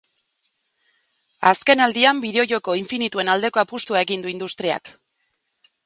Azkenaldian bideojoko infinituen aldeko apustua egin du industriak.